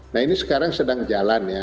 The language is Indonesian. nah ini sekarang sedang jalan ya